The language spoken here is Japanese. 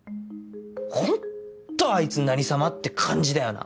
ホントあいつ何さまって感じだよな。